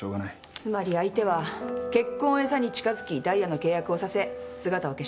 つまり相手は結婚をエサに近づきダイヤの契約をさせ姿を消した。